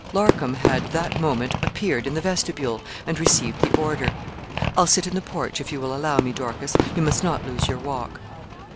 Larcom had, that moment, appeared in the vestibule, and received the order. 'I'll sit in the porch, if you will allow me, Dorcas; you must not lose your walk.'